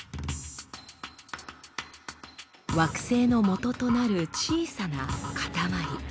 惑星のもととなる小さなかたまり。